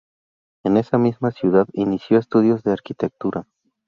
En esa misma ciudad inició estudios de arquitectura.